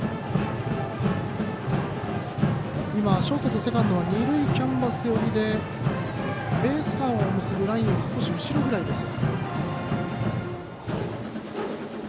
ショートとセカンドは二塁キャンバス寄りでベース間を結ぶラインより少し後ろくらいです。